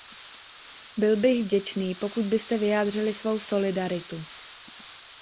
Byl bych vděčný, pokud byste vyjádřili svou solidaritu.